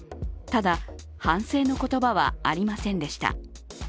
ただ、反省の言葉はありませんでした。